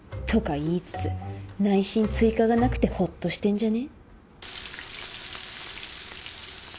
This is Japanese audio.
言いつつ内心追加がなくてホッとしてんじゃね？